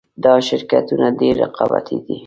دا شرکتونه ډېر رقابتي دي